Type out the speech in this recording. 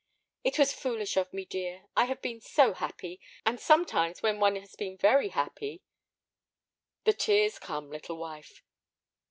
"It was foolish of me, dear. I have been so happy, and sometimes when one has been very happy—" "The tears come, little wife."